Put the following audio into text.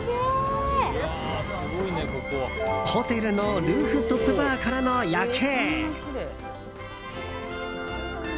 ホテルのルーフトップバーからの夜景。